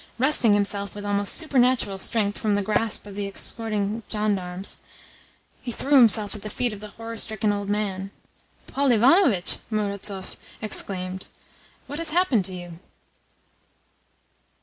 Wresting himself with almost supernatural strength from the grasp of the escorting gendarmes, he threw himself at the feet of the horror stricken old man. "Paul Ivanovitch," Murazov exclaimed, "what has happened to you?"